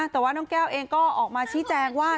แต่ว่าน้องแก้วเองก็ออกมาชี้แจงว่า